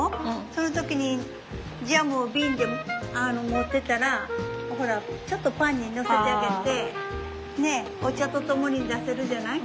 そういう時にジャムを瓶で持ってたらほらちょっとパンにのせてあげてお茶と共に出せるじゃない？